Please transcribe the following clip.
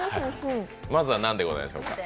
まずはなんでございましょうか。